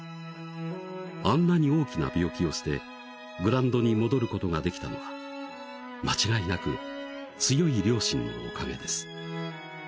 「あんなに大きな病気をしてグランドに戻る事が出来たのはまちがいなく強い両親のおかげです」